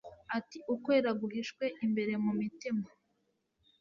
atari ukwera guhishwe imbere mu mutima.